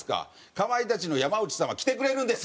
「かまいたちの山内さんは来てくれるんです！」。